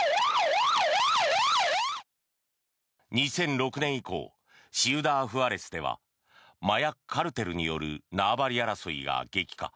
２００６年以降シウダーフアレスでは麻薬カルテルによる縄張り争いが激化。